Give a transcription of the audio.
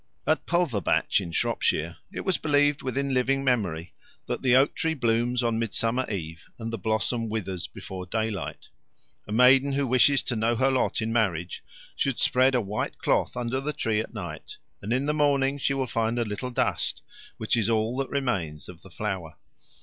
At Pulverbatch, in Shropshire, it was believed within living memory that the oak tree blooms on Midsummer Eve and the blossom withers before daylight. A maiden who wishes to know her lot in marriage should spread a white cloth under the tree at night, and in the morning she will find a little dust, which is all that remains of the flower.